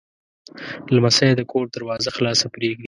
لمسی د کور دروازه خلاصه پرېږدي.